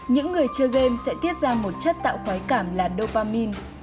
những người chơi game sẽ tiết ra một chất tạo khói cảm là novamin